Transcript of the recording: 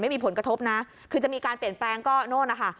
ไม่มีผลกระทบนะคือจะมีการเปลี่ยนแปลงก็โน่นนะคะ